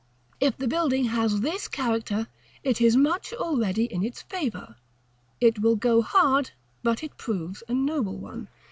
If the building has this character, it is much already in its favor; it will go hard but it proves a noble one.